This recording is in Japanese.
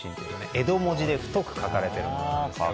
江戸文字で太く書かれているもので。